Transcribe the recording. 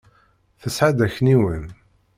Tesεa-d akniwen.